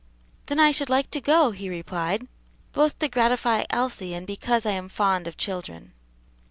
"Then I should like to go," he replied, "both to gratify Elsie and because I am fond of children."